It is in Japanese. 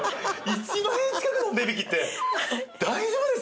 １万円近くもお値引きって大丈夫ですか？